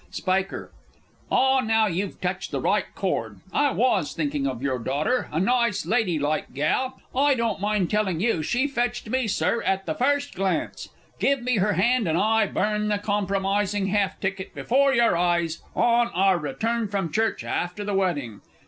Sp. Ah, now you've touched the right chord! I was thinking of your daughter a nice lady like gal I don't mind telling you she fetched me, Sir, at the first glance. Give me her hand, and I burn the compromising half ticket before your eyes on our return from church after the wedding.